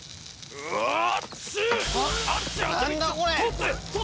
うわーっ！